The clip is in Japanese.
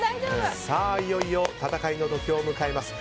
いよいよ戦いの時を迎えます。